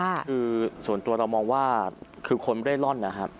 คือส่วนตัวเรามองว่าคือคนเร่ร่อนนะครับ